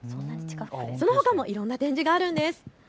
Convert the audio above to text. そのほかもいろんな展示があるんです。